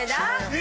え！